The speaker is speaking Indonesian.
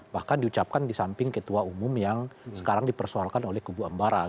bahkan diucapkan di samping ketua umum yang sekarang dipersoalkan oleh kubu ambara